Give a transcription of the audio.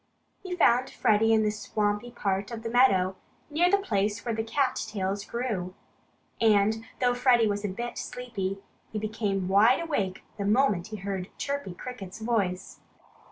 He found Freddie in the swampy part of the meadow, near the place where the cat tails grew. And though Freddie was a bit sleepy, he became wide awake the moment he heard Chirpy Cricket's voice.